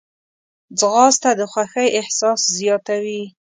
ځغاسته د خوښۍ احساس زیاتوي